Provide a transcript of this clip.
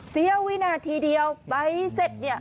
เซียววินาทีเดียวใบเสร็จ